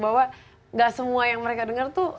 bahwa gak semua yang mereka dengar tuh